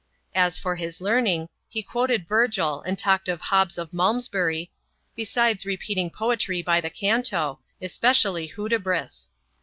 As for his learning, he quoted Virgil, and talked of Hobbes of Malmsbury, besides repeating poetry by the canto, especially Hudibras.